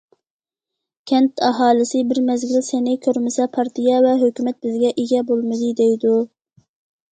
كەنت ئاھالىسى بىر مەزگىل سېنى كۆرمىسە، پارتىيە ۋە ھۆكۈمەت بىزگە ئىگە بولمىدى، دەيدۇ.